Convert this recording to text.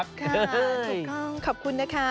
ถูกต้องขอบคุณนะคะ